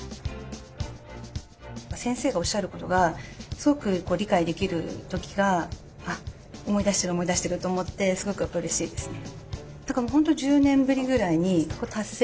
先生がおっしゃることがすごく理解できる時が「あっ思い出してる思い出してる」と思ってすごくうれしいですね。